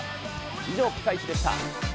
以上、ピカイチでした。